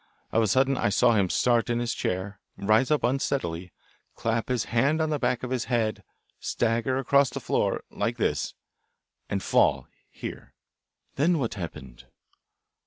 Of a sudden I saw him start in his chair, rise up unsteadily, clap his hand on the back of his head, stagger across the floor like this and fall here." "Then what happened?"